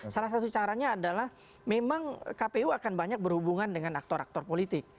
salah satu caranya adalah memang kpu akan banyak berhubungan dengan aktor aktor politik